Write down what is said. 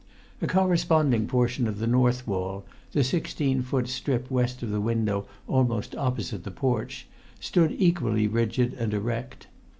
A corresponding portion of the north wall, the sixteen foot strip west of the window almost opposite the porch, stood equally rigid and erect.